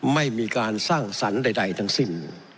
ไม่มีการสร้างสรรค์ใดทั้งสิ้น